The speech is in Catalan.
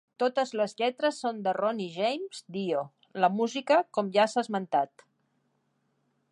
Totes les lletres són de Ronnie James Dio; la música com ja s'ha esmentat.